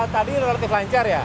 tadi relatif lancar ya